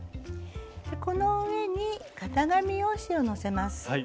この上に型紙用紙をのせます。